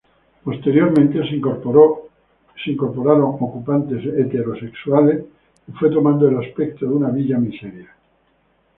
Posteriormente, se incorporaron ocupantes heterosexuales y fue tomando el aspecto de una villa miseria.